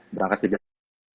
berangkat ke jakarta